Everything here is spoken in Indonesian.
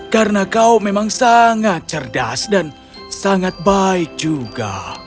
karena kau memang sangat cerdas dan sangat baik juga